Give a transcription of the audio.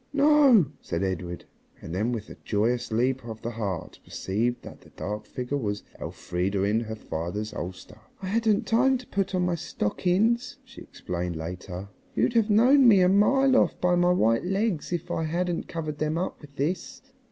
"No," said Edred, and then with a joyous leap of the heart perceived that the dark figure was Elfrida in her father's ulster. ("I hadn't time to put on my stockings," she explained later. "You'd have known me a mile off by my white legs if I hadn't covered them up with this.")